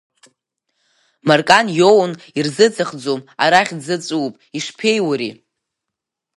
Маркан иоун ирзыӡахӡом, арахь дзаҵәуп, ишԥеиури?